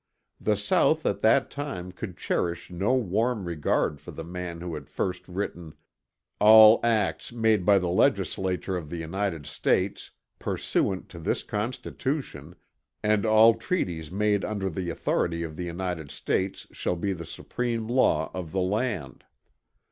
The South at that time could cherish no warm regard for the man who had first written "all acts made by the legislature of the United States, pursuant to this Constitution, and all treaties made under the authority of the United States shall be the supreme law of the land."